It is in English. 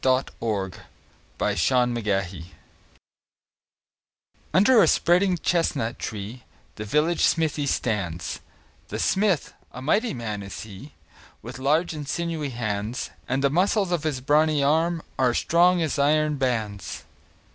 THE VILLAGE BLACKSMITH Under a spreading chestnut tree The village smithy stands; The smith, a mighty man is he, With large and sinewy hands; And the muscles of his brawny arms Are strong as iron bands.